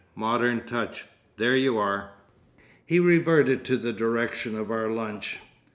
Modern touch! There you are!" He reverted to the direction of our lunch.